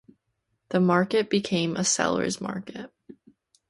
The market became a seller's market.